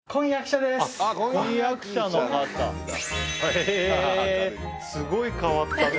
へぇすごい変わったね。